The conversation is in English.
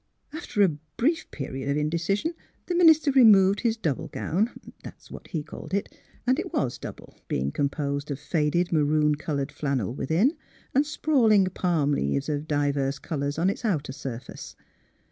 After a brief period of indecision the minister removed his doublegown — that is what he called it; and it was double, being com posed of faded maroon coloured flannel within and sprawling palm leaves of divers colours on its outer surface.